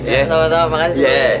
sama sama terima kasih